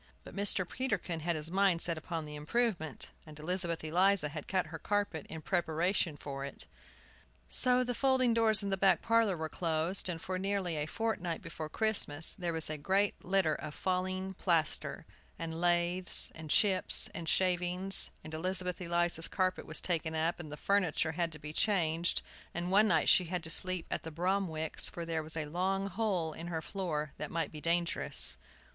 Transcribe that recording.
But Mr. Peterkin had set his mind upon the improvement, and Elizabeth Eliza had cut her carpet in preparation for it. So the folding doors into the back parlor were closed, and for nearly a fortnight before Christmas there was great litter of fallen plastering, and laths, and chips, and shavings; and Elizabeth Eliza's carpet was taken up, and the furniture had to be changed, and one night she had to sleep at the Bromwicks', for there was a long hole in her floor that might be dangerous.